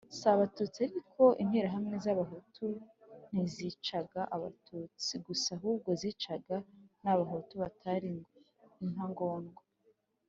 si Abatutsi ariko Interahamwe z Abahutu ntizicaga Abatutsi gusa ahubwo zicaga n’Abahutu batari intagondwa